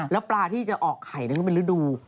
แล้วปลาที่จะออกไข่นั้นก็เป็นฤดู